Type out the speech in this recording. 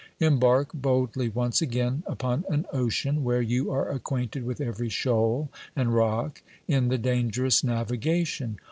Embark boldly once again upon an ocean where you are acquainted with every shoal and rock in the dangerous navigation.